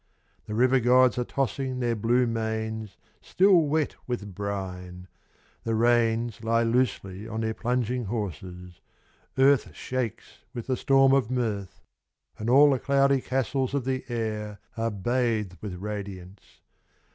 The river gods are tossing their blue manes Still wet with brine ; the reins Lie loosely on their plunging horses ; earth Shakes with the storm of mirth ; And all the cloudy castles of the air Are bathed with radiance.